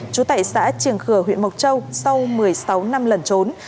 chú tẩy xã triềng khừa huyện mộc châu sau một mươi sáu năm lần trốn